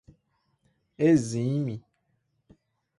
exime